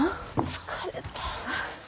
疲れた。